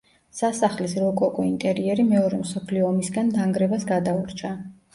სასახლის როკოკო ინტერიერი მეორე მსოფლიო ომისგან დანგრევას გადაურჩა.